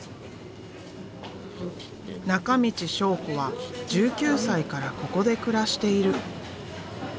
中道章子は１９歳からここで暮らしている。